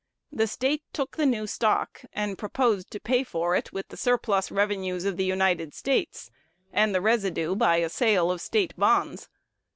The State took the new stock, and proposed to pay for it "with the surplus revenues of the United States, and the residue by a sale of State bonds."